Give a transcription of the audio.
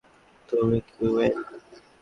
তুমিও কি ওয়েন?